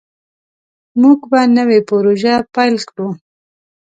موږ به نوې پروژه پیل کړو.